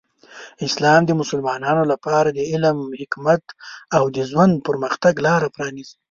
اسلام د مسلمانانو لپاره د علم، حکمت، او د ژوند پرمختګ لاره پرانیزي.